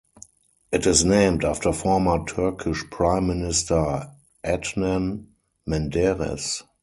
It is named after former Turkish prime minister Adnan Menderes.